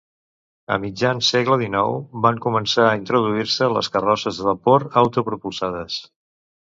A mitjan segle XIX van començar a introduir-se les carrosses de vapor autopropulsades.